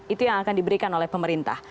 itu yang akan diberikan oleh pemerintah